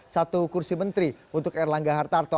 satu kursi menteri untuk erlangga hartarto